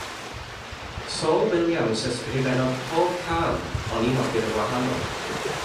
Saul Williams ysgrifennodd pob cân oni nodir yn wahanol.